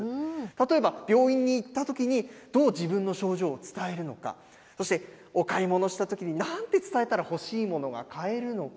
例えば、病院に行ったときに、どう自分の症状を伝えるのか、そして、お買い物したときになんて伝えたら欲しいものが買えるのか。